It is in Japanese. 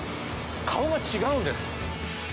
顔が違うんです。